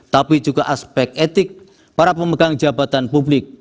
tapi juga aspek etik para pemegang jabatan publik